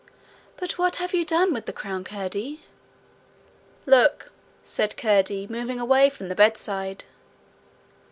'But what have you done with the crown, Curdie?' 'Look,' said Curdie, moving away from the bedside.